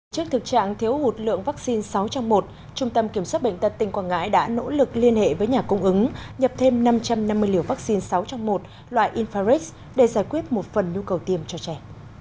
trước thực trạng thiếu hụt lượng vaccine sáu trong một trung tâm kiểm soát bệnh tật tỉnh quảng ngãi đã nỗ lực liên hệ với nhà cung ứng nhập thêm năm trăm năm mươi liều vaccine sáu trong một loại infrad để giải quyết một phần nhu cầu tiêm cho trẻ